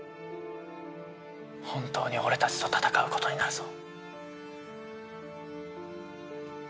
本当に俺たちと戦うことになるぞ。